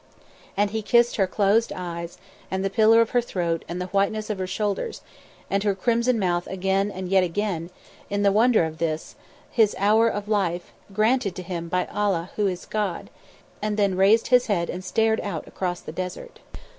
And he kissed her closed eyes and the pillar of her throat and the whiteness of her shoulders, and her crimson mouth again and yet again, in the wonder of this, his hour of life, granted him by Allah who is God; and then raised his head and stared out across the desert.